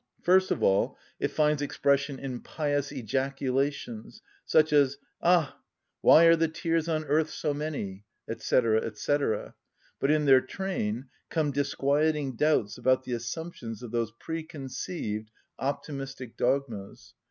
First of all it finds expression in pious ejaculations, such as, "Ah! why are the tears on earth so many?" &c. &c. But in their train come disquieting doubts about the assumptions of those preconceived optimistic dogmas.